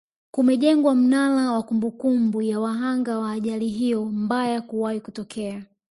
kumejengwa mnara wa kumbukumbu ya wahanga wa ajali hiyo mbaya kuwahi kutokea